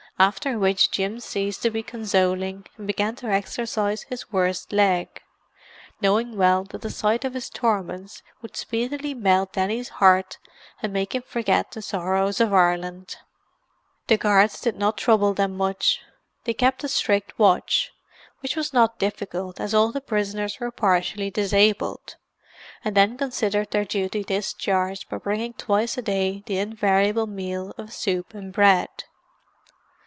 After which Jim ceased to be consoling and began to exercise his worst leg—knowing well that the sight of his torments would speedily melt Denny's heart and make him forget the sorrows of Ireland. The guards did not trouble them much; they kept a strict watch, which was not difficult, as all the prisoners were partially disabled; and then considered their duty discharged by bringing twice a day the invariable meal of soup and bread.